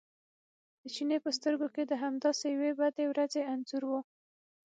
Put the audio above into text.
د چیني په سترګو کې د همداسې یوې بدې ورځې انځور و.